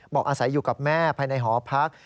อาศัยอยู่กับแม่ภายในหอพัก